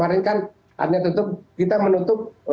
artinya kita menutup